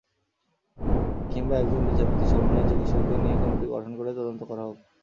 কিংবা একজন বিচারপতির সমন্বয়ে চিকিৎসকদের নিয়ে কমিটি গঠন করে তদন্ত করা হোক।